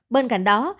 bên cạnh đó